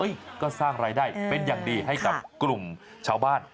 ก็สร้างรายได้เป็นอย่างดีให้กับกลุ่มชาวบ้าน